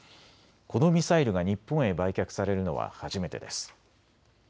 このミサイルが日本へ売却されるのは初めてです。